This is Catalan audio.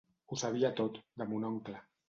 Ho sabia tot, de Mon oncle.